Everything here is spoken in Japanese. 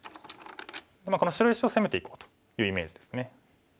この白石を攻めていこうというイメージですね。